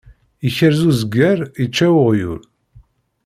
Ikrez uzger, ičča uɣyul.